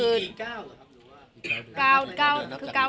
มีปี๙หรือว่า